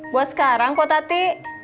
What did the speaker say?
buat sekarang po tati